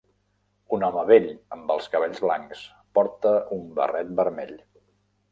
Un home vell amb els cabells blancs porta un barret vermell